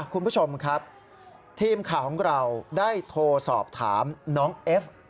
คุณผู้ชมครับทีมข่าวของเราได้โทรสอบถามน้องเอฟ